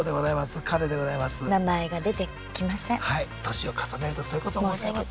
年を重ねるとそういうこともございます。